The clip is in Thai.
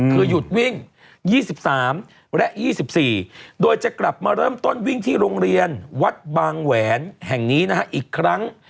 คือหยุดวิ่ง๒๓และ๒๔โดยจะกลับมาเริ่มต้นวิ่งที่โรงเรียนวัดบางแหวนแห่งนี้นะฮะอีกครั้ง